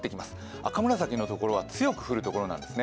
赤紫のところは強く降るところなんですね。